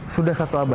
sudah satu abad